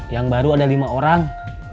yang baru ada lima orang